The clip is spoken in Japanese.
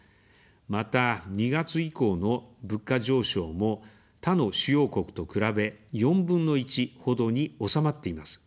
また、２月以降の物価上昇も他の主要国と比べ４分の１ほどに収まっています。